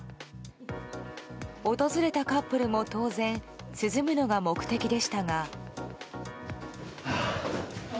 訪れたカップルも当然涼むのが目的でしたが。